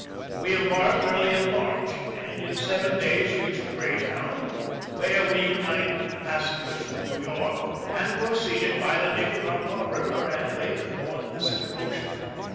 We embarked early in March, and in seven days reached Greytown, where we united with the passengers from New York, and proceeded, by the Nicaragua River and Lake, for the Pacific Ocean.